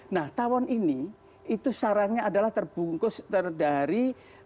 nah tawon ini itu sarangnya adalah terbungkus dari